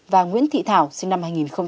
và nguyễn thị thảo sinh năm hai nghìn bảy